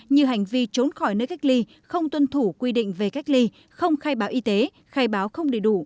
như hành vi trốn khỏi nơi cách ly không tuân thủ quy định về cách ly không khai báo y tế khai báo không đầy đủ